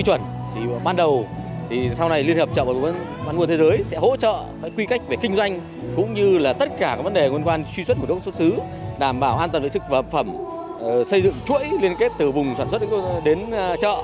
đảm bảo an toàn với sức phẩm xây dựng chuỗi liên kết từ vùng sản xuất đến chợ